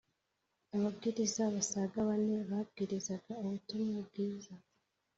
ababwiriza basaga bane babwirizaga ubutumwa bwiza